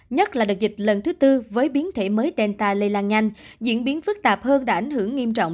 nhất là đợt dịch lần thứ tư với biến thể mới tenta lây lan nhanh diễn biến phức tạp hơn đã ảnh hưởng nghiêm trọng